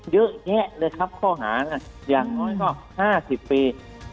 เยอะแยะเลยครับข้อหาอย่างน้อยก็๕๐ปี